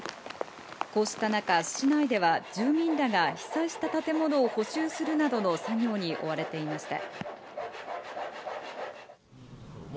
こうした中、市内では住民らが被災した建物を補修するなどの作業に追われていました。